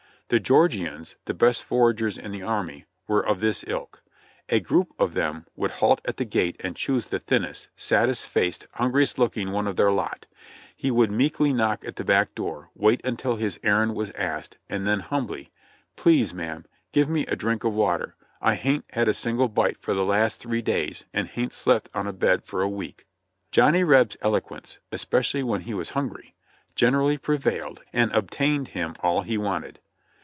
The Georgians, the best foragers in the army, were of this ilk. A group of them would halt at the gate and choose the thinnest, saddest faced, hungriest looking one of their lot; he would meekly knock at the back door, wait until his errand was asked, and then humbly: "Please, Mam, give me a drink of water. I hain't had a single bite for the last three days, and hain't slept on a bed for a week." Johnny Reb's eloquence, especially when he was hungry, gen erally prevailed and obtained him all he wanted.